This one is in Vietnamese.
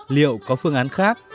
liệu có phương án khác